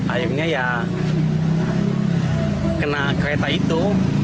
akhirnya ya kena kereta itu